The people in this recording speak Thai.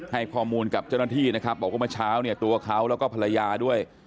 ให้ข้อมูลกับเจ้าหน้าที่นะครับบอกว่าเมื่อเช้าเนี่ยตัวเขาแล้วก็ภรรยาด้วย